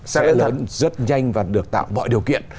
sẽ lớn rất nhanh và được tạo mọi điều kiện